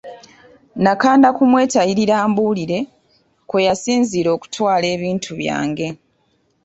Nakanda kumwetayirira ambuulire kwe yasinziira okutwala ebintu byange.